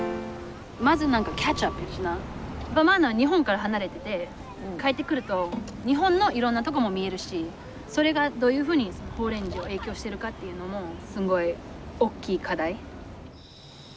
摩阿那は日本から離れてて帰ってくると日本のいろんなとこも見えるしそれがどういうふうに宝蓮寺に影響してるかっていうのもすごい大きい課題。